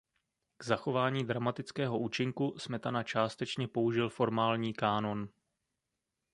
K zachování dramatického účinku Smetana částečně použil formální kánon.